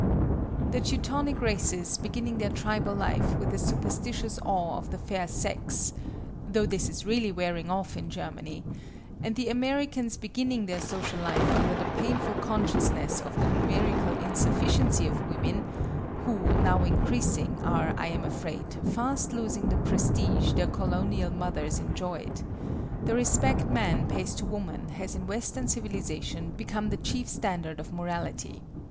The Teutonic races beginning their tribal life with a superstitious awe of the fair sex (though this is really wearing off in Germany!), and the Americans beginning their social life under the painful consciousness of the numerical insufficiency of women (who, now increasing, are, I am afraid, fast losing the prestige their colonial mothers enjoyed), the respect man pays to woman has in Western civilization become the chief standard of morality.